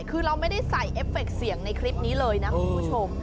คือเราไม่ได้ใส่เอฟเฟคเสียงในคลิปนี้เลยนะคุณผู้ชม